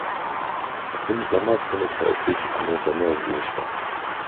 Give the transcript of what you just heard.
Im Sommer findet häufig eine Sommerruhe statt.